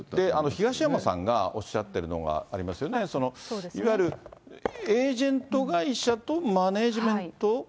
東山さんがおっしゃってるのがありますよね、いわゆるエージェント会社とマネージメント？